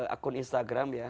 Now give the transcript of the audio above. akun instagram ya